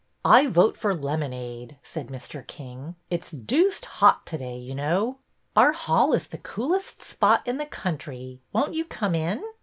I vote for lemonade," said Mr. King. It 's deuced hot to day, you know." Our hall is the coolest spot in the country. Won't you come in?